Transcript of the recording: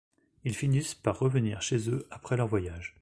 Ils finissent par revenir chez eux après leur voyage.